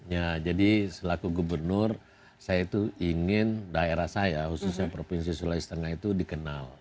ya jadi selaku gubernur saya itu ingin daerah saya khususnya provinsi sulawesi tengah itu dikenal